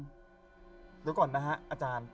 เดี๋ยวก่อนนะฮะอาจารย์